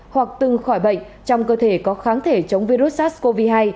hoặc từng khỏi bệnh trong cơ thể có kháng thể chống virus sars cov hai